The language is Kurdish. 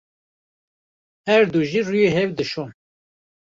Her du jî rûyê hev dişon.